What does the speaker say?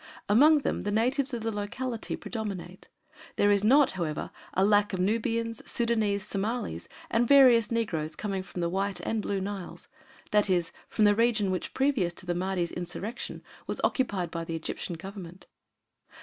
Among them the natives of the locality predominate. There is not, however, a lack of Nubians, Sudânese, Somalis, and various negroes coming from the White and Blue Niles, that is, from the region which previous to the Mahdi's insurrection was occupied by the Egyptian Government.